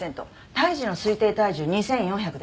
胎児の推定体重２４００です。